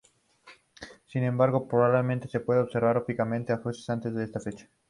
Sin embargo, probablemente se pueda observar ópticamente Apofis antes de esta fecha.